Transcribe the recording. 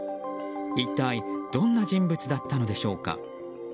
一体どんな人物だったのでしょうか。